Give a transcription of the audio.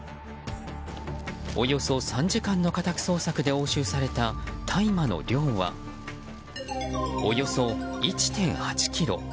およそ３時間の家宅捜索で押収された大麻の量はおよそ１．８ｋｇ。